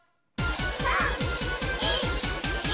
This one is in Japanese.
３２１！